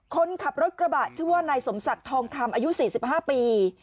คนขับรถกระบะชื่อว่านายสมศักดิ์ทองคำอายุ๔๕ปี